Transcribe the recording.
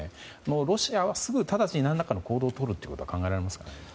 ロシアはすぐ直ちに何らかの行動をとるということは考えられますか？